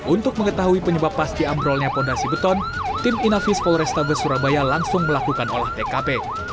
untuk mengetahui penyebab pasti ambrolnya fondasi beton tim inafis polrestabes surabaya langsung melakukan olah tkp